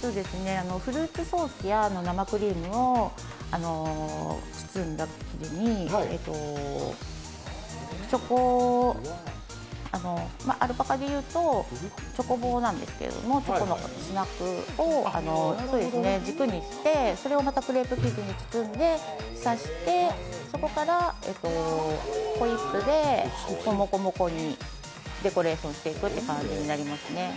フルーツソースや生クリームを包んだ生地にアルパカでいうとチョコ棒なんですけど、チョコのスナックを軸にして、それをまたクレープ生地に包んで、さして、そこからホイップでもこもこにデコレーションしていくっていう感じになりますね。